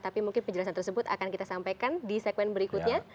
tapi mungkin penjelasan tersebut akan kita sampaikan di segmen berikutnya